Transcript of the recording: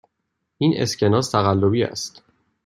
این اسکناس تقلبی است.